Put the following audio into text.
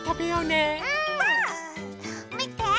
みて！